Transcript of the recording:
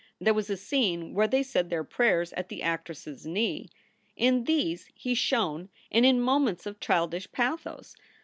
There was a scene where they said their prayers at the actress s knee. In these he shone and in moments of childish pathos.